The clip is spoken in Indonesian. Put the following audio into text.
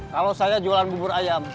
kalau saya jualan bubur ayam